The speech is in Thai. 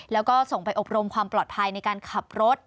แล้วก็ส่งไปอบรมความปลอดภัยในการขับรถ